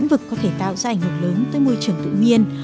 lĩnh vực có thể tạo ra ảnh hưởng lớn tới môi trường tự nhiên